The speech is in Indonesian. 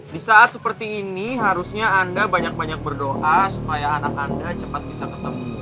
di saat seperti ini harusnya anda banyak banyak berdoa supaya anak anda cepat bisa ketemu